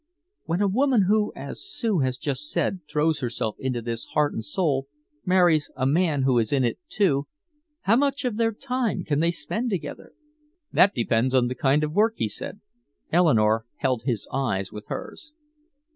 "When a woman who, as Sue has just said, throws herself into this heart and soul, marries a man who is in it, too, how much of their time can they spend together?" "That depends on the kind of work," he said. Eleanore held his eyes with hers.